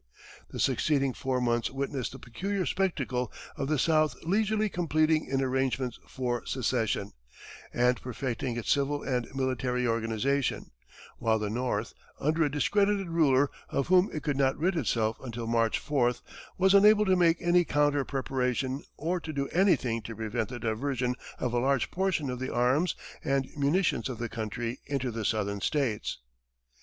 The succeeding four months witnessed the peculiar spectacle of the South leisurely completing its arrangements for secession, and perfecting its civil and military organization, while the North, under a discredited ruler of whom it could not rid itself until March 4th, was unable to make any counter preparation or to do anything to prevent the diversion of a large portion of the arms and munitions of the country into the southern states.